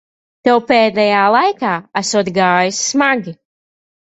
Tev pēdējā laikā esot gājis smagi.